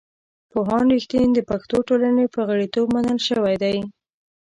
پوهاند رښتین د پښتو ټولنې په غړیتوب منل شوی دی.